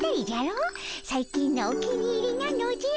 最近のお気に入りなのじゃ。